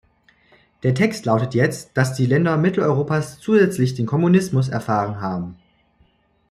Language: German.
Der Text lautet jetzt "dass die Länder Mitteleuropas zusätzlich den Kommunismus erfahren haben".